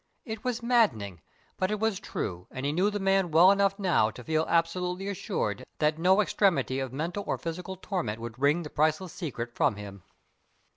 It was maddening, but it was true, and he knew the man well enough now to feel absolutely assured that no extremity of mental or physical torment would wring the priceless secret from him.